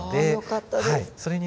あよかったです。